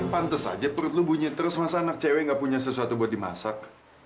pantes aja perut lo bunyi terus masa anak cewek gak punya sesuatu buat dimasak